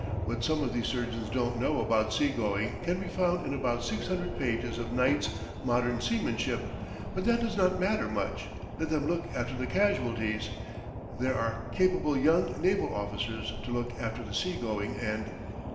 What some of these surgeons don't know about seagoing can be found in about six hundred pages of Knight's "Modern Seamanship," but that does not matter much. Let them look after the casualties; there are capable young naval officers to look after the seagoing end.